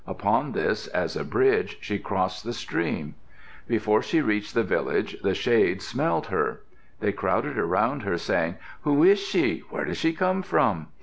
Upon this, as a bridge, she crossed the stream. Before she reached the village the shades smelled her. They crowded around her, saying, "Who is she? Where does she come from?"